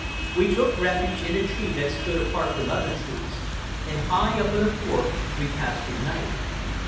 We took refuge in a tree that stood apart from other trees, and high up in a fork we passed the night.